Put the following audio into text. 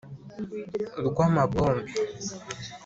urw'amabombe